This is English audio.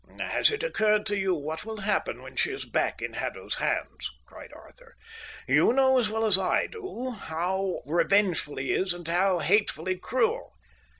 "Has it occurred to you what will happen when she is back in Haddo's hands?" cried Arthur. "You know as well as I do how revengeful he is and how hatefully cruel.